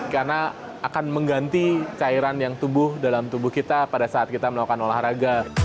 karena akan mengganti cairan yang tubuh dalam tubuh kita pada saat kita melakukan olahraga